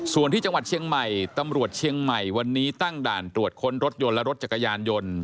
ส่วนที่จังหวัดเชียงใหม่ตำรวจเชียงใหม่วันนี้ตั้งด่านตรวจค้นรถยนต์และรถจักรยานยนต์